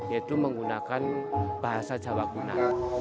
yaitu menggunakan bahasa jawa guna